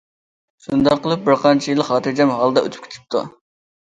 شۇنداق قىلىپ بىر قانچە يىل خاتىرجەم ھالدا ئۆتۈپ كېتىپتۇ.